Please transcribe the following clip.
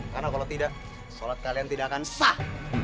karena kalau tidak sholat kalian tidak akan sah